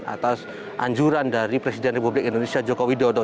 atas anjuran dari presiden republik indonesia joko widodo